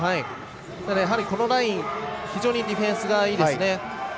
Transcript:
ただ、やはりこのライン非常にディフェンスがいいですね。